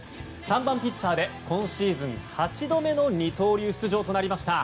３番ピッチャーで今シーズン８度目の二刀流出場となりました。